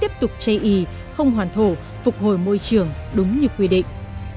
phục hồi môi trường đúng như quy định